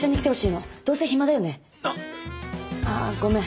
な。あごめん。